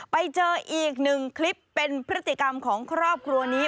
ไปเจออีกหนึ่งคลิปเป็นพฤติกรรมของครอบครัวนี้